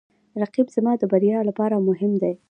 رقیب زما د بریا لپاره مهم دی